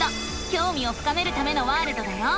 きょうみを深めるためのワールドだよ！